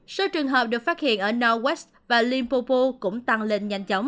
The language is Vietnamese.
số trường hợp được phát hiện ở northwest và limpopo cũng tăng lên